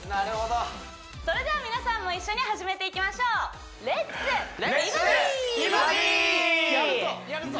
それでは皆さんも一緒に始めていきましょうやるぞやるぞ！